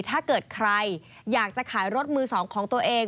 ถ้าเกิดใครอยากจะขายรถมือสองของตัวเอง